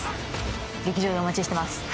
劇場でお待ちしています。